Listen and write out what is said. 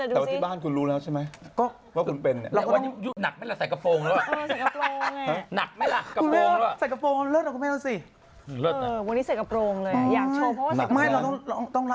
เขาต้องมีชุดทุกวันนะ